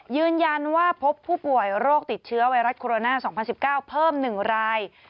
ยืนยันว่าพบผู้ป่วยโรคติดเชื้อไวรัสโคโรนาสองพันสิบเก้าเพิ่มหนึ่งราย